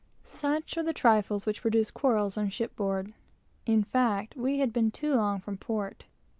Such are the trifles which produce quarrels on shipboard. In fact, we had been too long from port.